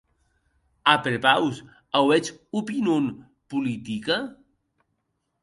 A prepaus, auètz opinon politica?